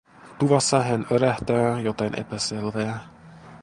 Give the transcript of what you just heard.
Tuvassa hän örähtää, jotain epäselvää.